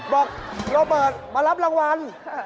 บอกเรามารับรางวัล